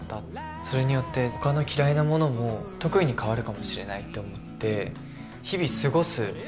それによって他の嫌いなものも得意に変わるかもしれないって思って。